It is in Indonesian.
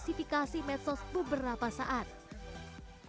sebelumnya dia menggunakan media sosial yang banyak